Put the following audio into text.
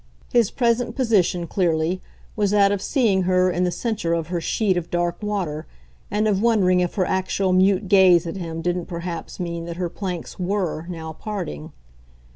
His present position, clearly, was that of seeing her in the centre of her sheet of dark water, and of wondering if her actual mute gaze at him didn't perhaps mean that her planks WERE now parting.